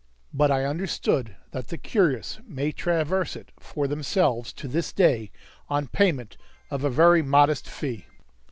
But I understood that the curious may traverse it for themselves to this day on payment of a very modest fee.